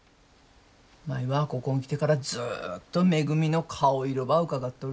舞はここん来てからずっとめぐみの顔色ばうかがっとる。